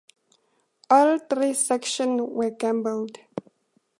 All three sections were gabled.